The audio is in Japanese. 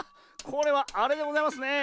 これはあれでございますね。